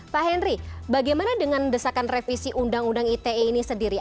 pak henry bagaimana dengan desakan revisi undang undang ite ini sendiri